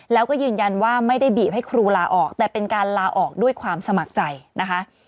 แล้วก็ยืนยันว่าไม่ได้บีบให้ครูลาออกแต่เป็นการลาออกด้วยความสมัครใจนะคะ